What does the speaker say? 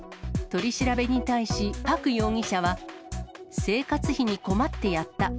取り調べに対し、パク容疑者は、生活費に困ってやった。